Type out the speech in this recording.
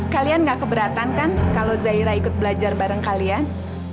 kalian gak keberatan kan kalau zaira ikut belajar bareng kalian